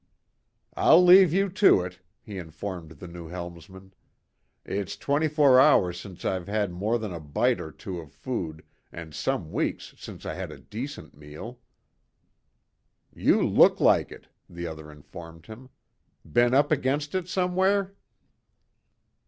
"I'll leave you to it," he informed the new helmsman. "It's twenty four hours since I've had more than a bite or two of food, and some weeks since I had a decent meal." "You look like it," the other informed him. "Been up against it somewhere?"